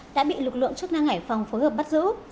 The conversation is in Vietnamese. đã bị lực lượng chức năng hải phòng phối hợp bắt giữ